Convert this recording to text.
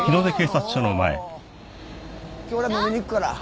今日俺飲みに行くから。